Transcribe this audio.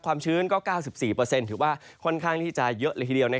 ความชื้นก็๙๔เปอร์เซ็นต์ถือว่าค่อนข้างที่จะเยอะเลยทีเดียว